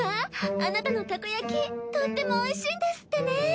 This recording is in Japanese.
あなたのたこやきとってもおいしいんですってね。